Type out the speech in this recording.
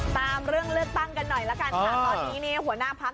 เรื่องเลือกตั้งกันหน่อยละกันค่ะตอนนี้เนี่ยหัวหน้าพัก